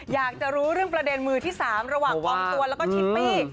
อยากจะรู้เรื่องประเด็นมือที่๓ระหว่างกองตัวแล้วก็ชิปปี้